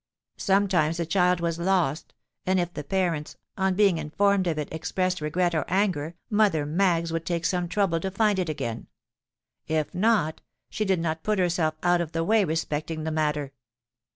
"Sometimes a child was lost; and if the parents, on being informed of it, expressed regret or anger, Mother Maggs would take some trouble to find it again: if not, she did not put herself out of the way respecting the matter.